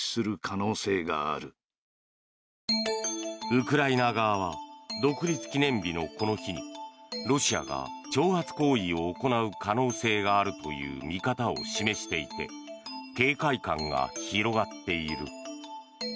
ウクライナ側は独立記念日のこの日にロシアが挑発行為を行う可能性があるという見方を示していて警戒感が広がっている。